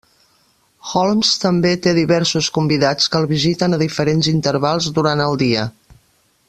Holmes també té diversos convidats que el visiten a diferents intervals durant el dia.